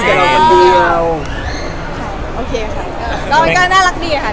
แล้วโอเคค่ะแล้วมันก็น่ารักดีเหรอครับ